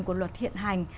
của luật hiện hành